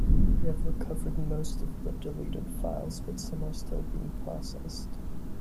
We have recovered most of the deleted files, but some are still being processed.